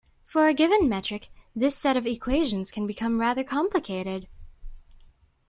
For a given metric this set of equations can become rather complicated.